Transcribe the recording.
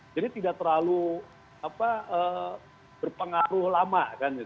jadi tidak terlalu berpengaruh lama